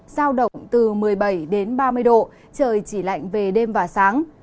giao động từ một mươi bảy đến ba mươi độ trời chỉ lạnh về đêm và sáng